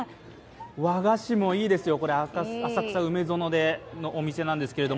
和菓子もいいですよ、浅草梅園のお店ですけど。